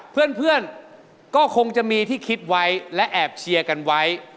เพื่อนก็คงจะมีที่คิดไว้และแอบเชียร์กันไว้